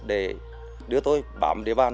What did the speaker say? để đưa tôi bám đế bàn